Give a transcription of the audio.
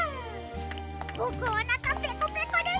ぼくおなかペコペコです！